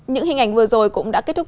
những hình ảnh vừa rồi cũng đã kết thúc